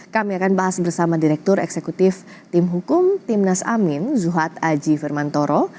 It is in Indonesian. kami akan bahas bersama direktur eksekutif tim hukum timnas amin zuhad aji firmantoro